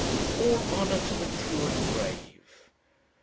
"All honour to the true and brave!